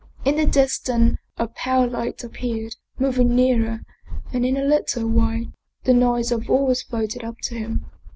In the distance a pale light appeared, moving nearer, and in a little while the noise of oars floated up to him.